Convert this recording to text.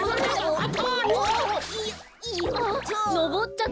あっ！